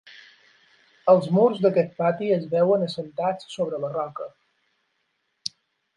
Els murs d'aquest pati es veuen assentats sobre la roca.